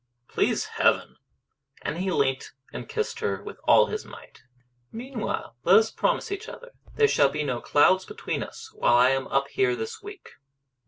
"Please Heaven!" And he leant and kissed her with all his might. "Meanwhile let us promise each other there shall be no clouds between us while I am up here this week!"